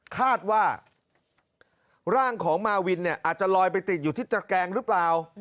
คาดว่าร่างของมาวินเนี่ยอาจจะลอยไปติดอยู่ที่ตระแกงหรือเปล่า